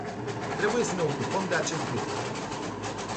Trebuie să ne ocupăm de acest lucru.